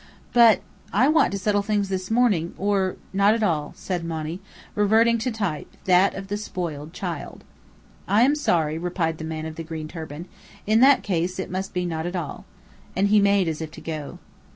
"But I want to settle things this morning or not at all," said Monny, reverting to type: that of the spoiled child. "I am sorry," replied the man of the green turban. "In that case, it must be not at all." And he made as if to go.